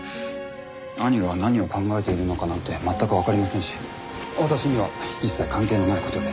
兄が何を考えているのかなんて全くわかりませんし私には一切関係のない事です。